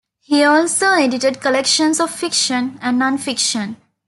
He also edited collections of fiction and non-fiction.